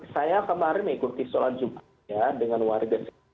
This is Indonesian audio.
saya kemarin mengikuti sholat jumlah ya dengan warga sekolah